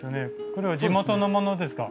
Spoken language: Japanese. これは地元のものですか？